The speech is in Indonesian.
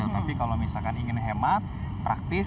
tapi kalau misalkan ingin hemat praktis